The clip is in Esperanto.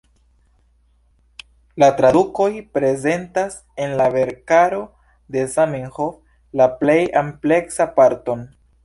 La tradukoj prezentas en la verkaro de Zamenhof la plej ampleksan parton.